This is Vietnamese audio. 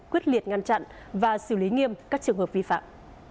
quyết liệt ngăn chặn và xử lý nghiêm các trường hợp vi phạm